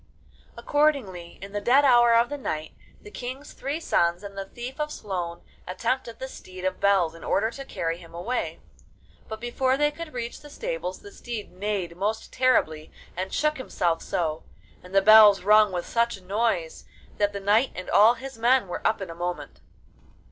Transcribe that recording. Accordingly, in the dead hour of the night, the King's three sons and the Thief of Sloan attempted the Steed of Bells in order to carry him away, but before they could reach the stables the steed neighed most terribly and shook himself so, and the bells rung with such noise, that the knight and all his men were up in a moment.